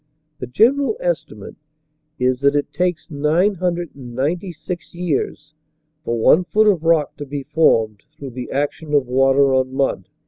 The general estimate is that it takes nine hundred and ninety six years for one foot of rock to be formed through the action of water on mud.